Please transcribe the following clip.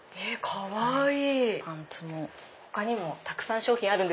かわいい！